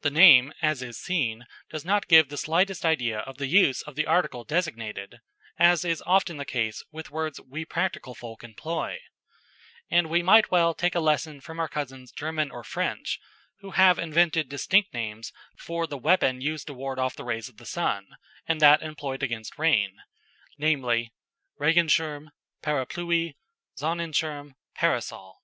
The name, as is seen, does not give the slightest idea of the use of the article designated, as is often the case with words we practical folk employ; and we might well take a lesson from our cousins German or French, who have invented distinct names for the weapon used to ward off the rays of the sun, and that employed against rain, namely, Regenschirm, parapluie; Sonnenschirm, _parasol.